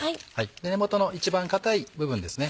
根元の一番硬い部分ですね